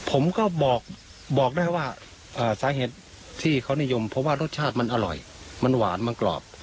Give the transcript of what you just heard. ผมก็บอกได้ว่าสาเหตุที่เขานิยมเพราะว่ารสชาติมันอร่อยมันหวานมันกรอบ